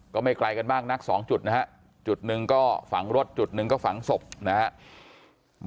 ก็ไม่ไกลกันมากนักสองจุดนะฮะจุดหนึ่งก็ฝังรถจุดหนึ่งก็ฝังศพนะครับ